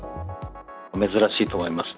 珍しいと思います。